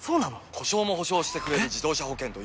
故障も補償してくれる自動車保険といえば？